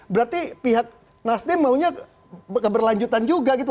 berarti pihak nasdem maunya keberlanjutan juga gitu